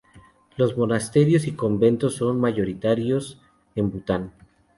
Los monasterios y conventos son mayoritarios en Bután.